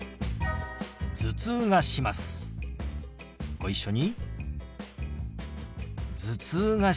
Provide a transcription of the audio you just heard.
ご一緒に。